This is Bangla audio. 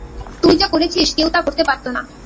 তুই যা করেছিস, কেউ তা করতে পারতো না।